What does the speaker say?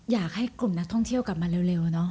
อยากให้กลุ่มนักท่องเที่ยวกลับมาเร็วเนอะ